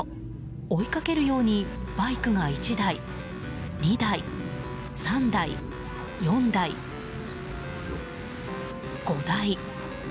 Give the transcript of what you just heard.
追いかけるようにバイクが１台、２台３台、４台、５台。